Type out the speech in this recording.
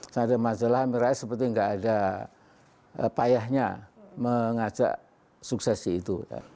saya ada majalah amin rais seperti tidak ada payahnya mengajak suksesi itu ya